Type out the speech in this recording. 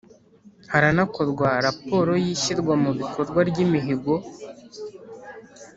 Haranakorwa raporo y’ ishyirwa mu bikorwa ry’imihigo